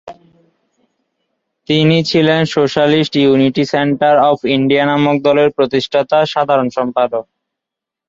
তিনি ছিলেন socialist unity centre of India নামক দলের প্রতিষ্ঠাতা-সাধারণ সম্পাদক।